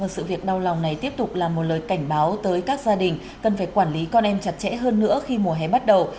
sự việc đau lòng này tiếp tục là một lời cảnh báo tới các gia đình cần phải quản lý con em chặt chẽ hơn nữa khi mùa hè bắt đầu